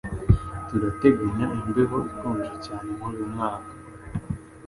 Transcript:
Turateganya imbeho ikonje cyane muri uyu mwaka.